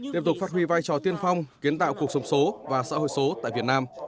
tiếp tục phát huy vai trò tiên phong kiến tạo cuộc sống số và xã hội số tại việt nam